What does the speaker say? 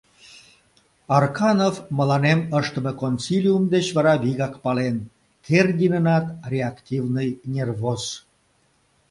Арканов мыланем ыштыме консилиум деч вара вигак пален: Кердинынат реактивный нервоз.